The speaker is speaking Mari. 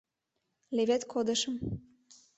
Левед кодышым.